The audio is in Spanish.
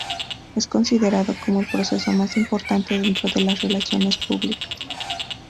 Es considerado como el proceso más importante dentro de las relaciones públicas.